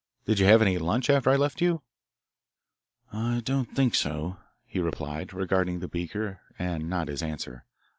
Did you have any lunch after I left you?" "I don't think so," he replied, regarding the beaker and not his answer.